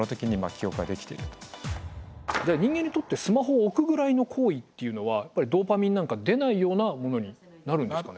まさにじゃあ人間にとってスマホを置くぐらいの行為っていうのはドーパミンなんか出ないようなものになるんですかね？